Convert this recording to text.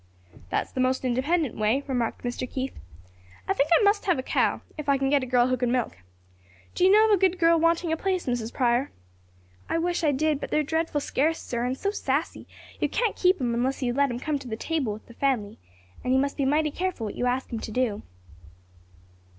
"That's the most independent way," remarked Mr. Keith. "I think I must have a cow; if I can get a girl who can milk. Do you know of a good girl wanting a place, Mrs. Prior?" "I wish I did; but they're dreadful scarce sir; and so sassy! you can't keep 'em unless you let 'em come to the table with the family; and you must be mighty careful what you ask 'em to do."